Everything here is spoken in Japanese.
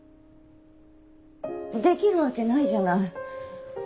できるわけないじゃない。